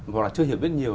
hoặc là chưa hiểu biết nhiều